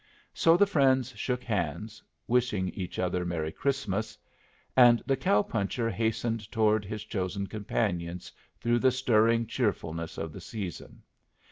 So the friends shook hands, wishing each other Merry Christmas, and the cow puncher hastened toward his chosen companions through the stirring cheerfulness of the season.